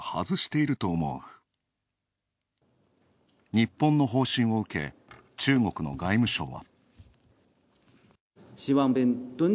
日本の方針を受け、中国の外務省は。